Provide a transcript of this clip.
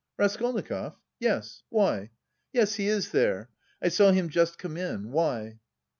"Raskolnikov? Yes. Why? Yes, he is there. I saw him just come in.... Why?"